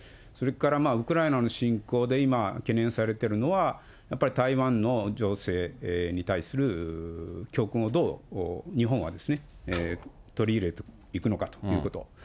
それからウクライナの侵攻で今、懸念されてるのは、やっぱり台湾の情勢に対する教訓をどう日本は取り入れていくのかということ。